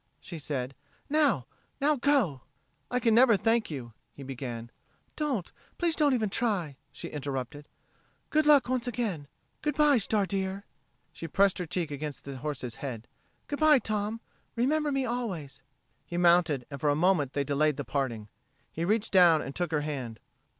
she said. "Now now, go." "I can never thank you," he began. "Don't please don't even try," she interrupted. "Good luck once again. Good by, Star dear." She pressed her cheek against the horse's head. "Good by, Tom. Remember me always." He mounted and for a moment they delayed the parting. He reached down and took her hand.